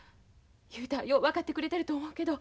雄太はよう分かってくれてると思うけど。